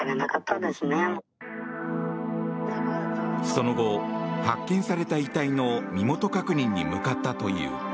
その後、発見された遺体の身元確認に向かったという。